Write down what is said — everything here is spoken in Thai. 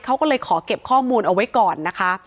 เขาก็เลยขอเก็บข้อมูลเอาไว้ก่อนนะคะ